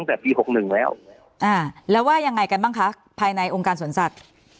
อ่าแล้วว่ายังไงกันบ้างคะภายในองค์การสนสัตว์